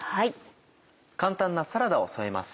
簡単なサラダを添えます。